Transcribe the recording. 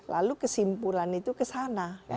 lalu kesimpulan itu kesana